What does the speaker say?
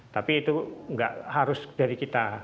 tapi itu nggak harus dari kita